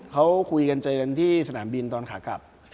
เขาคุยกันเจอกันที่สนามบินตอนขากลับ